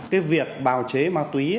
cái việc bào chế ma túy